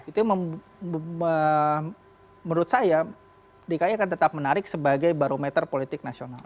itu menurut saya dki akan tetap menarik sebagai barometer politik nasional